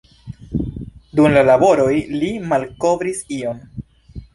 Dum la laboroj li malkovris ion.